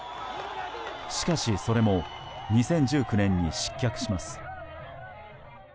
しかし、それも２０１９年に失脚します。